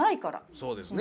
そうですね。